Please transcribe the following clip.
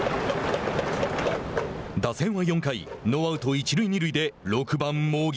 打線は４回ノーアウト、一塁二塁で６番茂木。